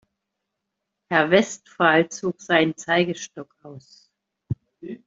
Herr Westphal zog seinen Zeigestock aus.